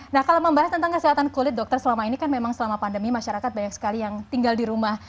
nah kalau membahas tentang kesehatan kulit dokter selama ini kan memang selama pandemi masyarakat banyak sekali yang tinggal di rumah